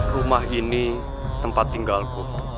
rumah ini tempat tinggalku